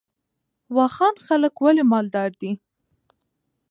واخان خلک ولې مالدار دي؟